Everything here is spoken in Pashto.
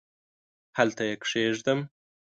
هلته یې کښېږدم ؟؟